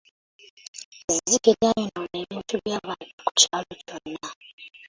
Ezzike lyayonoona ebintu by'abantu ku kyalo kyonna.